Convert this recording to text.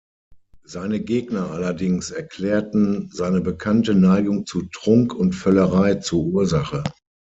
Seine Gegner allerdings erklärten seine bekannte Neigung zu Trunk und Völlerei zur Ursache.